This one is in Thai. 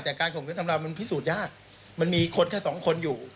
แต่การข่มขืนทำเรามันพิสูจน์ยากมันมีคนแค่สองคนอยู่